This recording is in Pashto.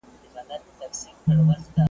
او ټول خوږ ژوند مي .